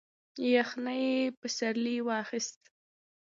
یخنۍ پسې واخیست.